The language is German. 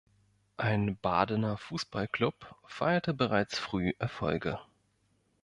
Ein "Badener Fußball-Club" feierte bereits früh Erfolge.